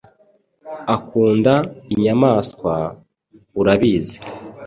Akunda inyamaswa, urabizi?